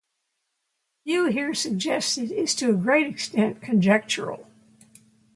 The view here suggested is to a great extent conjectural.